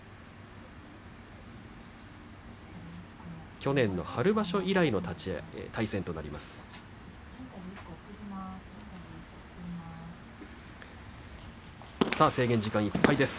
去年の春場所以来の対戦となります。